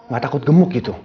gak takut gemuk gitu